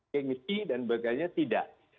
kengisi dan sebagainya tidak